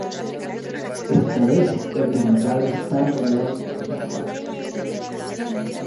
Esta vez, el demandado está rodeado por los abogados.